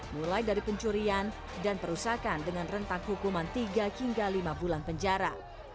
mulai dari pencurian dan perusakan dengan rentang hukuman tiga hingga lima bulan penjara